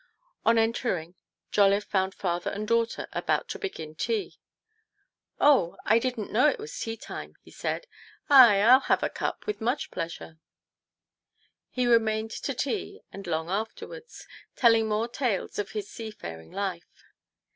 On entering Jolliffe found father and daughter about to begin tea. " Oh, I didn't know it was teatime," he said. " Ay, 111 have a cup with much pleasure." He remained to tea and long afterwards, telling more tales of his seafaring life.